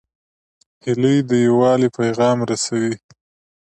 هیلۍ د یووالي پیغام رسوي